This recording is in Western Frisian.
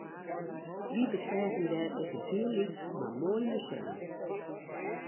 Wy beseagen dêr ek in hiel lyts mar moai museum